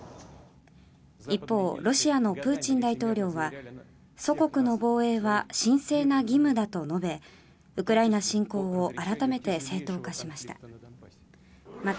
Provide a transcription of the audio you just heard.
一方、ロシアのプーチン大統領は祖国の防衛は神聖な義務だと述べウクライナ侵攻を改めて正当化しました。